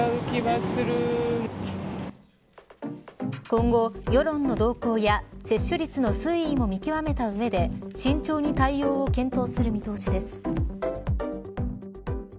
今後、世論の動向や接種率の推移も見極めた上で慎重に対応を検討する見通しです。